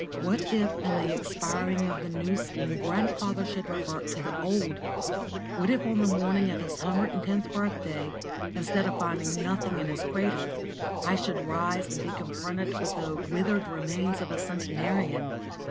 What if on the expiring of the New Scheme grandfather should revert to the old? What if on the morning of his hundred and tenth birthday, instead of finding nothing in his cradle, I should rise and be confronted with the withered remains of a centenarian?